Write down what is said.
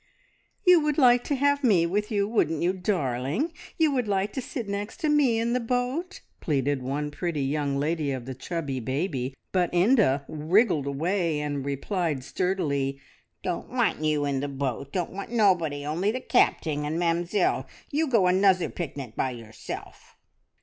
"You would like to have me with you, wouldn't you, darling? You would like to sit next to me in the boat?" pleaded one pretty young lady of the chubby baby; but Inda wriggled away, and replied sturdily "Don't want you in the boat! Don't want nobody only the Capting and Mamzelle. You go anuzzer picnic by yourself!"